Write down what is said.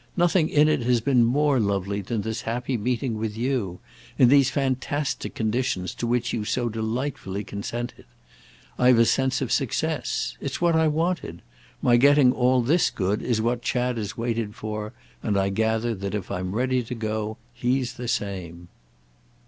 Nothing in it has been more lovely than this happy meeting with you—in these fantastic conditions to which you've so delightfully consented. I've a sense of success. It's what I wanted. My getting all this good is what Chad has waited for, and I gather that if I'm ready to go he's the same."